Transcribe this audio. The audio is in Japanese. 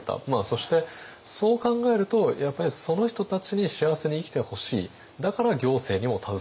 そしてそう考えるとやっぱりその人たちに幸せに生きてほしいだから行政にも携わる。